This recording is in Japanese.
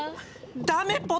ダメポタ！